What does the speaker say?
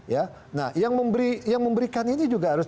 yang memberikan ini juga harus